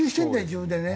自分でね。